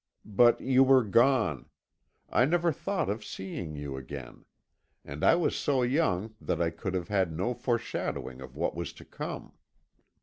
But you were gone I never thought of seeing you again and I was so young that I could have had no foreshadowing of what was to come.